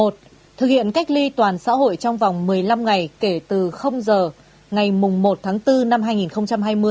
thực hiện cách ly toàn xã hội trong vòng một mươi năm ngày kể từ giờ ngày một tháng bốn năm hai nghìn hai mươi